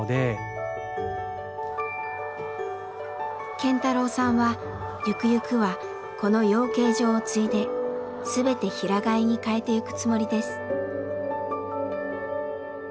健太郎さんはゆくゆくはこの養鶏場を継いで全て平飼いに変えていくつもりです。